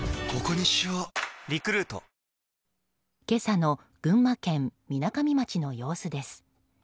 今朝の群馬県みなかみ町の様子です。